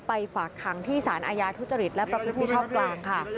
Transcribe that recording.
ฝากขังที่สารอาญาทุจริตและประพฤติมิชชอบกลางค่ะ